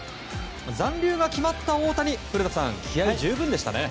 残留が決まった大谷古田さん、気合十分でしたね。